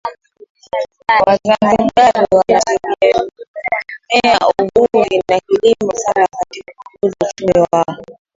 Wazanzibari wanategemea uvuvi na kilimo sana katika kukuza uchumi wao